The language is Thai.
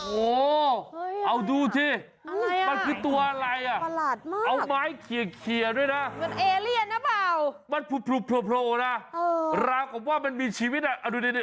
โว้้อเอาดูที่มันคือตัวอะไรอ่ะเอาไม้เขียนเหล็กชนอีกเน่าเปล่าอากอังงวจอยเอา